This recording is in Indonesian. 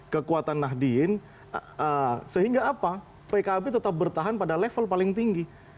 kekuatan nahdien sehingga apa pkb tetap bertahan pada level paling tinggi